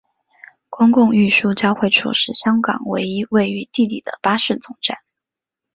公共运输交汇处是香港唯一位于地底的巴士总站。